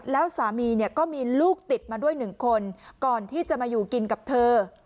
แล้วสามีเนี่ยก็มีลูกติดมาด้วยหนึ่งคนก่อนที่จะมาอยู่กินกับเธอ